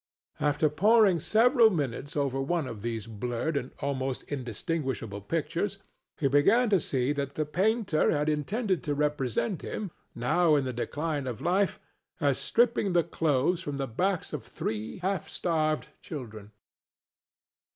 After poring several minutes over one of these blurred and almost indistinguishable pictures, he began to see that the painter had intended to represent him, now in the decline of life, as stripping the clothes from the backs of three half starved children.